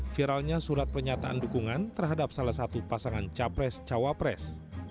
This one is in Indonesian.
viralnya surat pernyataan dukungan terhadap salah satu pasangan capres cawapres